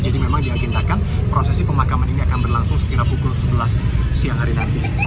jadi memang diagentakan prosesi pemakaman ini akan berlangsung setidak pukul sebelas siang hari nanti